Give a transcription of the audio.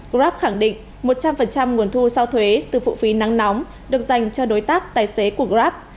grab khẳng định một trăm linh nguồn thu sau thuế từ phụ phí nắng nóng được dành cho đối tác tài xế của grab